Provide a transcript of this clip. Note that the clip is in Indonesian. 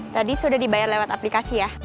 tadi sudah dibayar lewat aplikasi ya